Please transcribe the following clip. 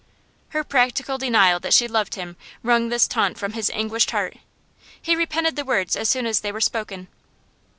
Her practical denial that she loved him wrung this taunt from his anguished heart. He repented the words as soon as they were spoken.